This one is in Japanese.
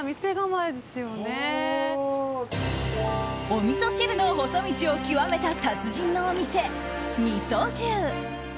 おみそ汁の細道を極めた達人のお店ＭＩＳＯＪＹＵ。